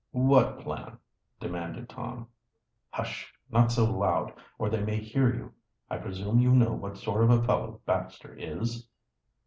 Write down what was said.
"What plan?" demanded Tom. "Hush! not so loud or they may hear you. I presume you know what sort of a fellow Baxter is?"